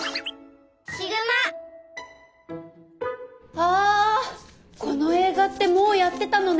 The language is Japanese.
あこの映画ってもうやってたのね。